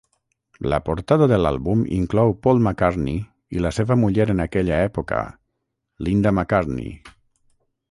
La portada de l'àlbum inclou Paul McCartney i la seva muller en aquella època, Linda McCartney.